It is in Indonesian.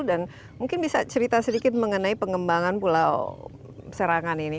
dan mungkin bisa cerita sedikit mengenai pengembangan pulau serangan ini